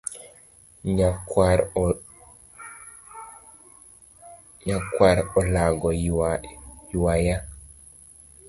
Nyakwar olago ywaya.